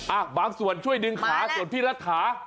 อ่ะบางส่วนช่วยดึงขาส่วนพี่รัฐา